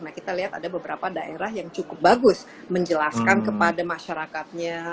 nah kita lihat ada beberapa daerah yang cukup bagus menjelaskan kepada masyarakatnya